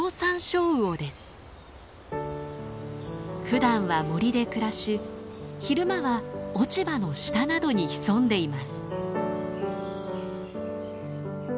ふだんは森で暮らし昼間は落ち葉の下などに潜んでいます。